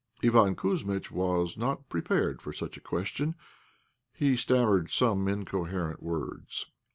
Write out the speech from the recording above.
Iván Kouzmitch was not prepared for such a question; he stammered some incoherent words.